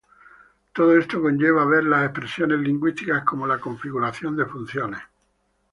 Todo esto conlleva ver las expresiones lingüísticas como la configuración de funciones.